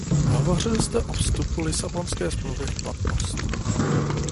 Hovořil jste o vstupu Lisabonské smlouvy v platnost.